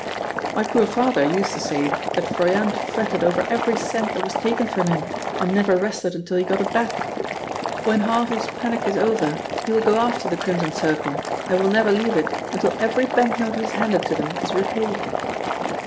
"My poor father used to say that Froyant fretted over every cent that was taken from him and never rested until he got it back. When Harvey's panic is over he will go after the Crimson Circle, and will never leave it until every banknote he has handed to them is repaid."